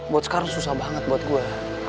buat sekarang susah banget buat gue